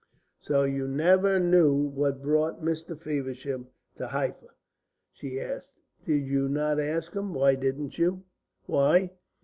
"So you never knew what brought Mr. Feversham to Halfa?" she asked. "Did you not ask him? Why didn't you? Why?"